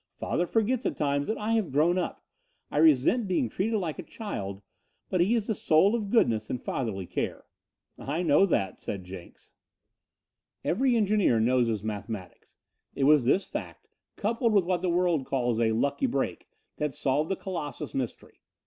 "Father forgets at times that I have grown up. I resent being treated like a child, but he is the soul of goodness and fatherly care." "I know that," said Jenks. Every engineer knows his mathematics. It was this fact, coupled with what the world calls a "lucky break," that solved the Colossus mystery.